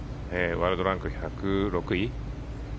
ワールドランク１０６位。